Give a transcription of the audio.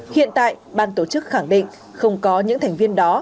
hiện tại ban tổ chức khẳng định không có những thành viên đó